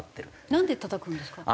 なんでたたくんですか？